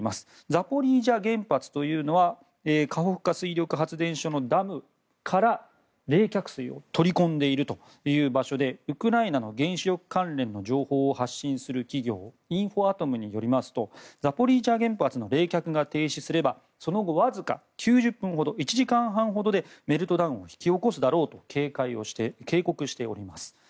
ザポリージャ原発というのはカホフカ水力発電所のダムから冷却水を取り込んでいるという場所でウクライナの原子力関連の情報を発信する企業インフォアトムによりますとザポリージャ原発の冷却が停止すればその後わずか９０分ほど１時間半ほどでメルトダウンを引き起こすだろうと警告しております。